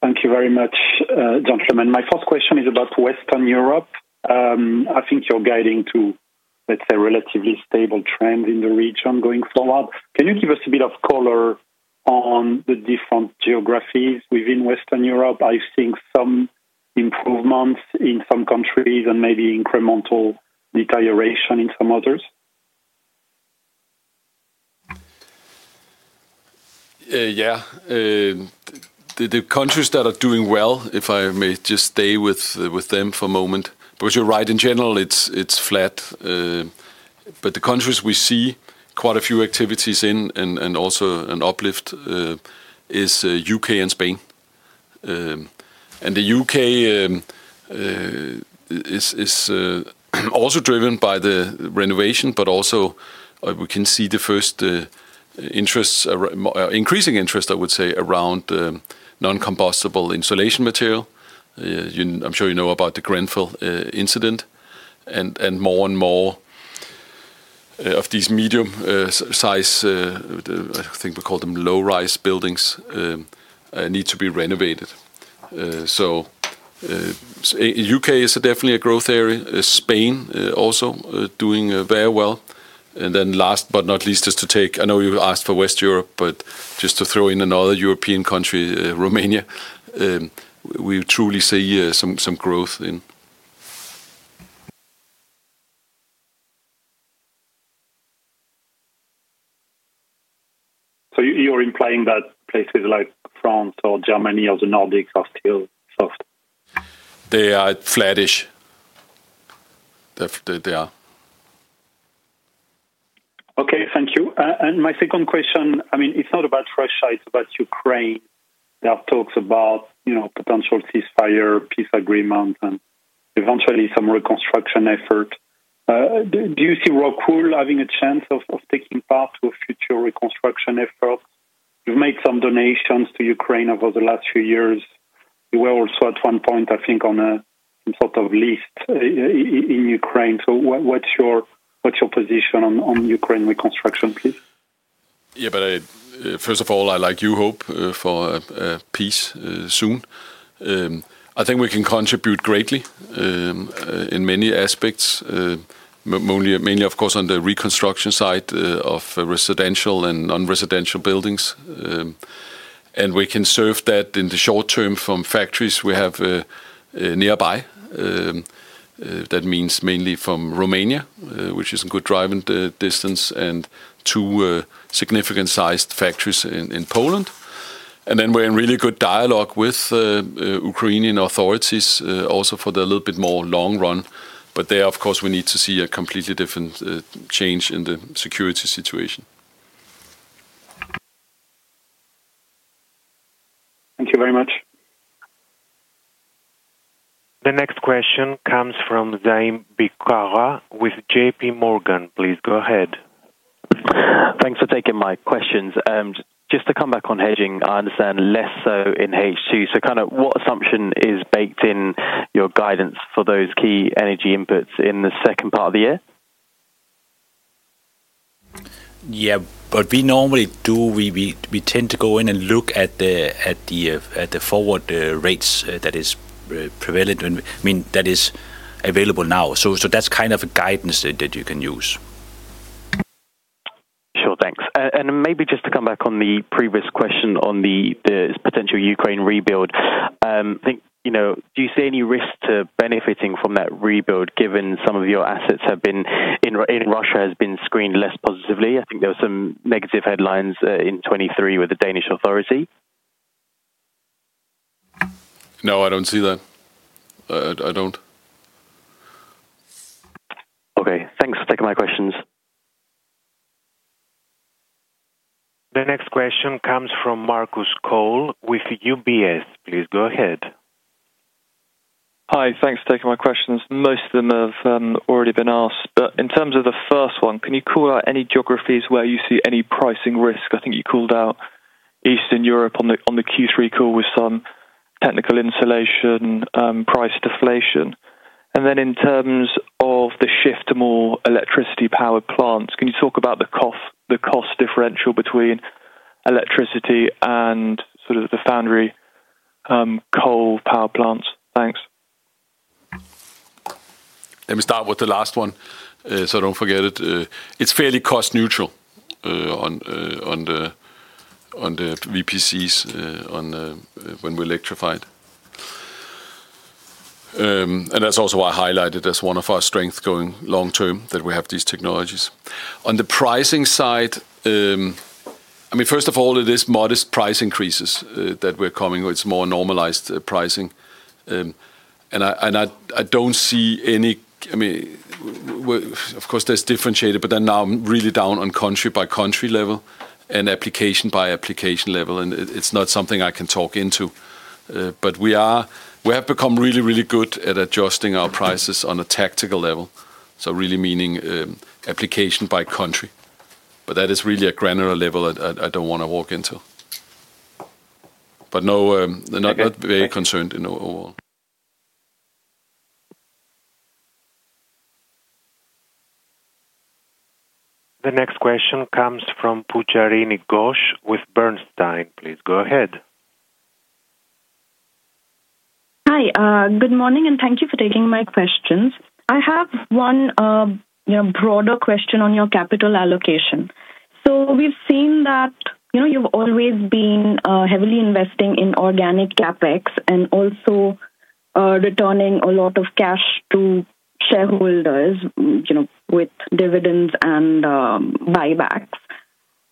Thank you very much, gentlemen. My first question is about Western Europe. I think you're guiding to, let's say, relatively stable trends in the region going forward. Can you give us a bit of color on the different geographies within Western Europe? I've seen some improvements in some countries and maybe incremental deterioration in some others. Yeah. The countries that are doing well, if I may just stay with them for a moment. Because you're right, in general, it's flat. But the countries we see quite a few activities in and also an uplift is U.K. and Spain. And the U.K. is also driven by the renovation, but also we can see the first increasing interest, I would say, around non-combustible insulation material. I'm sure you know about the Grenfell incident. And more and more of these medium-sized, I think we call them low-rise buildings, need to be renovated. So U.K. is definitely a growth area. Spain also doing very well. And then last but not least, just to take. I know you asked for Western Europe, but just to throw in another European country, Romania, we truly see some growth in. So you're implying that places like France or Germany or the Nordics are still soft? They are flattish. They are. Okay. Thank you. And my second question, I mean, it's not about Russia. It's about Ukraine. There are talks about potential ceasefire, peace agreement, and eventually some reconstruction effort. Do you see Rockwool having a chance of taking part to a future reconstruction effort? You've made some donations to Ukraine over the last few years. You were also at one point, I think, on some sort of list in Ukraine. So what's your position on Ukraine reconstruction, please? Yeah. But first of all, I, like you, hope for peace soon. I think we can contribute greatly in many aspects, mainly, of course, on the reconstruction side of residential and non-residential buildings. And we can serve that in the short term from factories we have nearby. That means mainly from Romania, which is a good driving distance, and two significant-sized factories in Poland. And then we're in really good dialogue with Ukrainian authorities also for the little bit more long run. But there, of course, we need to see a completely different change in the security situation. Thank you very much. The next question comes from Zaim Beekawa with JPMorgan. Please go ahead. Thanks for taking my questions. Just to come back on hedging, I understand less so in H2. So kind of what assumption is baked in your guidance for those key energy inputs in the second part of the year? Yeah, but we normally tend to go in and look at the forward rates that is prevalent, I mean, that is available now, so that's kind of a guidance that you can use. Sure. Thanks. And maybe just to come back on the previous question on the potential Ukraine rebuild, I think do you see any risk to benefiting from that rebuild given some of your assets have been in Russia has been screened less positively? I think there were some negative headlines in 2023 with the Danish authority. No, I don't see that. I don't. Okay. Thanks for taking my questions. The next question comes from Marcus Cole with UBS. Please go ahead. Hi. Thanks for taking my questions. Most of them have already been asked. But in terms of the first one, can you call out any geographies where you see any pricing risk? I think you called out Eastern Europe on the Q3 call with some technical insulation price deflation. And then in terms of the shift to more electricity-powered plants, can you talk about the cost differential between electricity and sort of the foundry coke power plants? Thanks. Let me start with the last one. So don't forget it. It's fairly cost-neutral on the VPCs when we're electrified. And that's also why I highlighted as one of our strengths going long term that we have these technologies. On the pricing side, I mean, first of all, it is modest price increases that we're coming with. It's more normalized pricing. And I don't see any. I mean, of course, there's differentiation, but they're now really down on country-by-country level and application-by-application level. And it's not something I can dive into. But we have become really, really good at adjusting our prices on a tactical level. So really meaning application by country. But that is really a granular level I don't want to dive into. But no, not very concerned in the overall. The next question comes from Pujarini Ghosh with Bernstein. Please go ahead. Hi. Good morning and thank you for taking my questions. I have one broader question on your capital allocation. So we've seen that you've always been heavily investing in organic CapEx and also returning a lot of cash to shareholders with dividends and buybacks.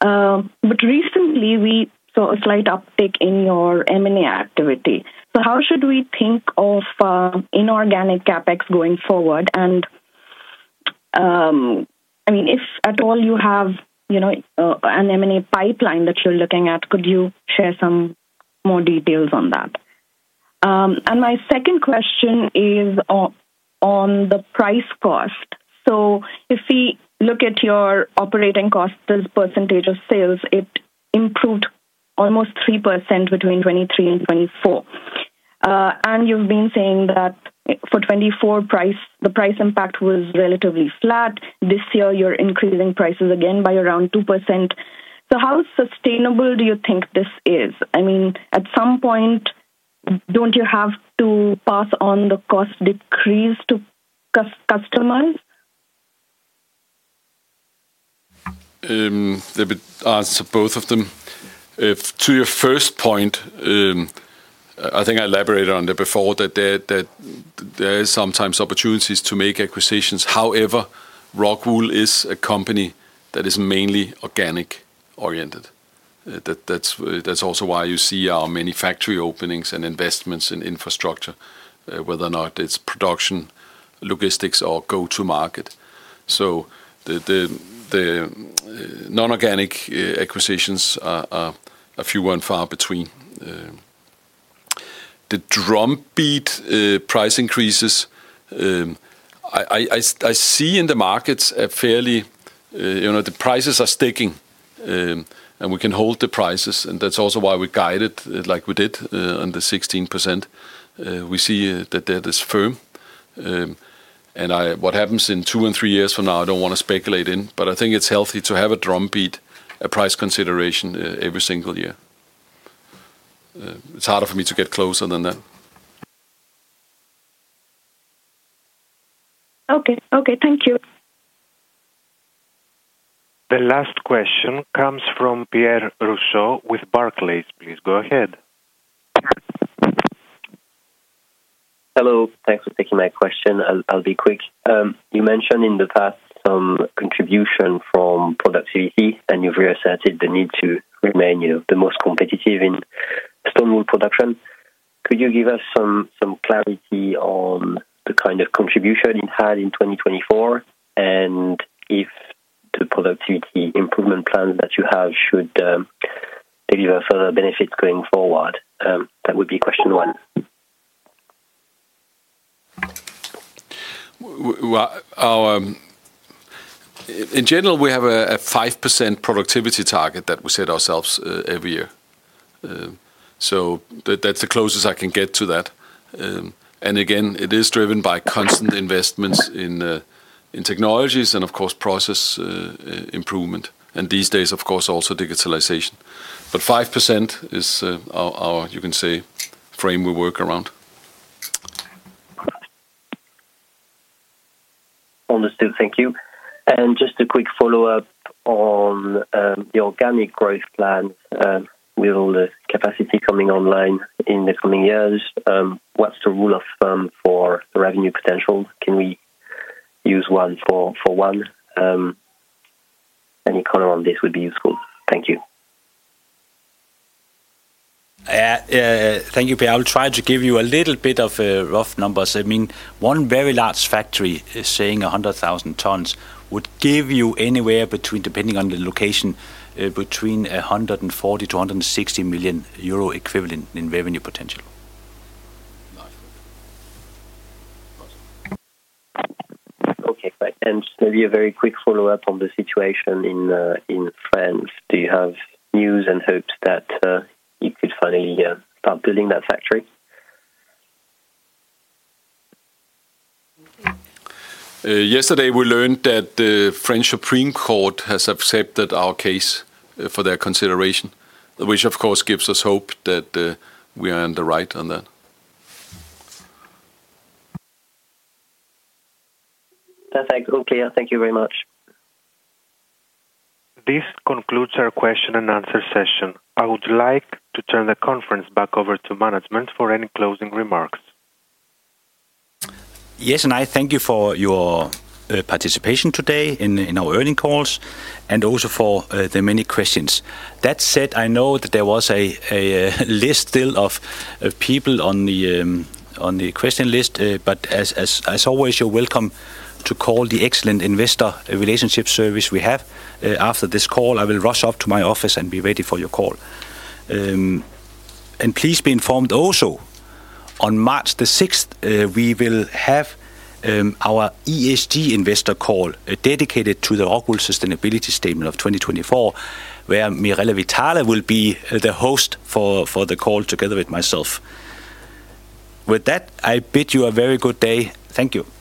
But recently, we saw a slight uptick in your M&A activity. So how should we think of inorganic CapEx going forward? And I mean, if at all you have an M&A pipeline that you're looking at, could you share some more details on that? And my second question is on the price cost. So if we look at your operating cost as percentage of sales, it improved almost 3% between 2023 and 2024. And you've been saying that for 2024, the price impact was relatively flat. This year, you're increasing prices again by around 2%. So how sustainable do you think this is? I mean, at some point, don't you have to pass on the cost decrease to customers? The answer to both of them. To your first point, I think I elaborated on that before, that there are sometimes opportunities to make acquisitions. However, Rockwool is a company that is mainly organic-oriented. That's also why you see our many factory openings and investments in infrastructure, whether or not it's production, logistics, or go-to-market. So the non-organic acquisitions are few and far between. The drumbeat price increases. I see in the markets. Fairly, the prices are sticking, and we can hold the prices. And that's also why we guided like we did on the 16%. We see that this firm. And what happens in two and three years from now, I don't want to speculate in. But I think it's healthy to have a drumbeat, a price consideration every single year. It's harder for me to get closer than that. Okay. Okay. Thank you. The last question comes from Pierre Rousseau with Barclays. Please go ahead. Hello. Thanks for taking my question. I'll be quick. You mentioned in the past some contribution from productivity, and you've reasserted the need to remain the most competitive in stone wool production. Could you give us some clarity on the kind of contribution it had in 2024? And if the productivity improvement plans that you have should give you further benefits going forward, that would be question one. In general, we have a 5% productivity target that we set ourselves every year. So that's the closest I can get to that. And again, it is driven by constant investments in technologies and, of course, process improvement. And these days, of course, also digitalization. But 5% is our, you can say, frame we work around. Understood. Thank you. And just a quick follow-up on the organic growth plans with all the capacity coming online in the coming years. What's the rule of thumb for revenue potential? Can we use one for one? Any comment on this would be useful. Thank you. Thank you, Pierre. I'll try to give you a little bit of rough numbers. I mean, one very large factory saying 100,000 tons would give you anywhere between, depending on the location, between 140 million euro - 160 million euro equivalent in revenue potential. Okay. Great. And maybe a very quick follow-up on the situation in France. Do you have news and hopes that you could finally start building that factory? Yesterday, we learned that the French Supreme Court has accepted our case for their consideration, which, of course, gives us hope that we are in the right on that. Perfect. Okay. Thank you very much. This concludes our question and answer session. I would like to turn the conference back over to management for any closing remarks. Yes, and I thank you for your participation today in our earnings call and also for the many questions. That said, I know that there was a list still of people on the question list. But as always, you're welcome to call the excellent investor relationship service we have after this call. I will rush up to my office and be ready for your call. And please be informed also on March the 6th, we will have our ESG investor call dedicated to the Rockwool Sustainability Statement of 2024, where Mirella Vitale will be the host for the call together with myself. With that, I bid you a very good day. Thank you.